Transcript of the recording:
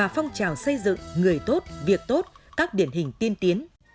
phong trào xây dựng người tốt việc tốt các điển hình tiên tiến